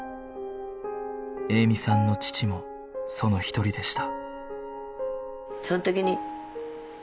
栄美さんの父もその一人でした